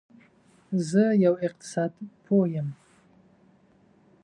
زه یو اقتصاد پوه یم